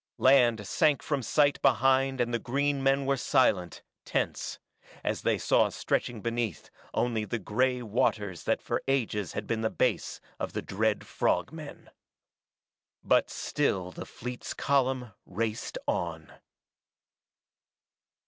Land sank from sight behind and the green men were silent, tense, as they saw stretching beneath only the gray waters that for ages had been the base of the dread frog men. But still the fleet's column raced on.